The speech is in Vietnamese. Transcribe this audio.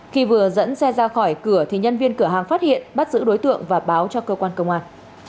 khi vừa dẫn xe ra khỏi cửa thì nhân viên cửa hàng phát hiện bắt giữ đối tượng và báo cho cơ quan công an